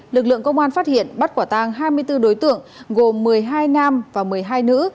lực lượng công an phát hiện bắt quả tang hai mươi bốn đối tượng gồm một mươi hai nam và một mươi hai nữ